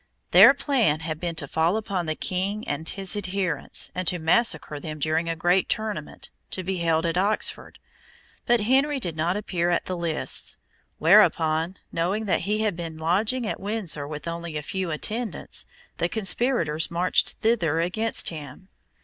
Their plan had been to fall upon the King and his adherents, and to massacre them during a great tournament, to be held at Oxford. But Henry did not appear at the lists; whereupon, knowing that he had been lodging at Windsor with only a few attendants, the conspirators marched thither against him.